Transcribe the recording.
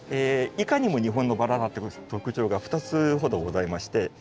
いかにも日本のバラだって特徴が２つほどございまして。